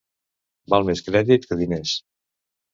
Val més crèdit que diners.